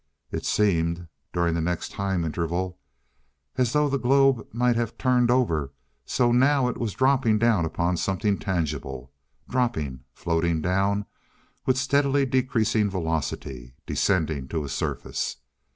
It seemed, during the next time interval, as though the globe might have turned over, so that now it was dropping down upon something tangible. Dropping floating down with steadily decreasing velocity, descending to a Surface.